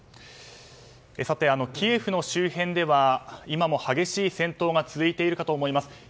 さて、キエフの周辺では今も激しい戦闘が続いているかと思います。